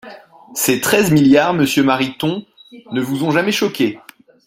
Ces treize milliards, monsieur Mariton, ne vous ont jamais choqué.